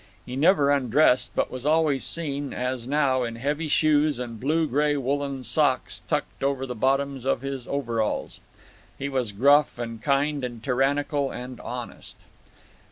He never undressed, but was always seen, as now, in heavy shoes and blue gray woolen socks tucked over the bottoms of his overalls. He was gruff and kind and tyrannical and honest.